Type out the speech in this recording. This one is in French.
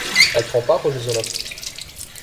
Elle prend part aux Jeux olympiques.